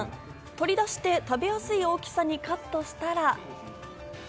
取り出して、食べやすい大きさにカットしたら。